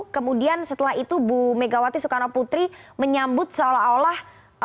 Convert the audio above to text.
kemudian setelah itu bu megawati soekarno putri menyambut seolah olah